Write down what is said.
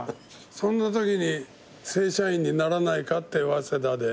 そんなときに「正社員にならないか？」って早稲田で。